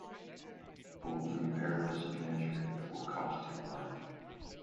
Bold and perilous adventure that will cost him life.